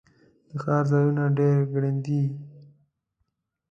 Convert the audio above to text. د ښار ځایونه ډیر ګراندي